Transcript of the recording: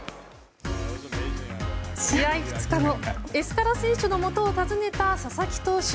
試合２日後エスカラ選手のもとを訪ねた佐々木投手。